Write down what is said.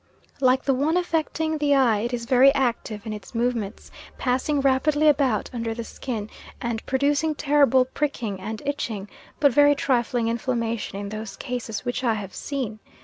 Like the one affecting the eye it is very active in its movements, passing rapidly about under the skin and producing terrible pricking and itching, but very trifling inflammation in those cases which I have seen.